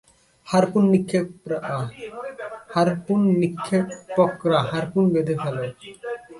Harpoon নিক্ষেপকরা, harpoon বেঁধে ফেলো!